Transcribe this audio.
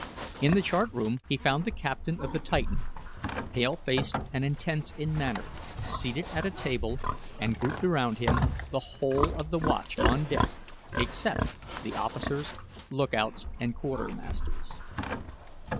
In the chart room, he found the captain of the Titan, pale faced and intense in manner, seated at a table, and, grouped around him, the whole of the watch on deck except the officers, lookouts, and quartermasters.